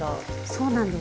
そうなんです。